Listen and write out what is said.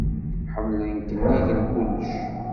Ḥemmlen-k nnig n kulec.